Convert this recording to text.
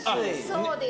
そうです。